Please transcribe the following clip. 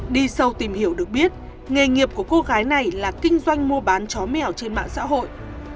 đi sâu tìm hiểu được biết nghề nghiệp của cô gái này là kinh doanh mua bán chó mèo trên mạng xã hội